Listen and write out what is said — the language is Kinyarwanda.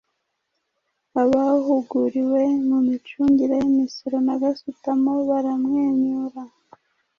Abahuguriwe mu micungire y’Imisoro na Gasutamo baramwenyura